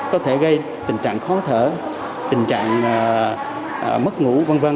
có thể gây tình trạng khó thở tình trạng mất ngủ v v